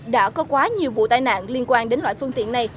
đã có quá nhiều vụ tai nạn liên quan đến loại phương tiện này